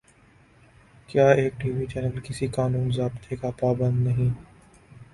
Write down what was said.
کیا ایک T V channel کسی قانون ضابطے کا پابند نہیں؟